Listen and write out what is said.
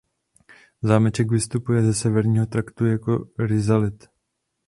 Zámeček vystupuje ze severního traktu jako rizalit.